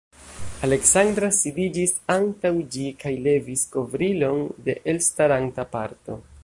Aleksandra sidiĝis antaŭ ĝi kaj levis kovrilon de elstaranta parto.